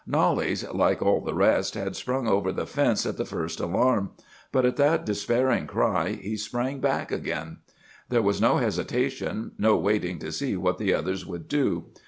"Knollys, like all the rest, had sprung over the fence at the first alarm; but at that despairing cry he sprang back again. There was no hesitation, no waiting to see what the others would do.